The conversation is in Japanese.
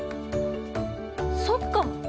そっか！